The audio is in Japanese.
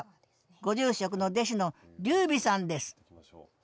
ご住職の弟子の龍美さんです